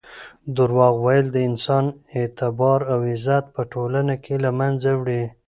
درواغ ویل د انسان اعتبار او عزت په ټولنه کې له منځه وړي.